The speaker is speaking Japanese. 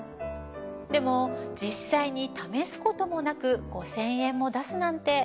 でも実際に試すこともなく５，０００円も出すなんて。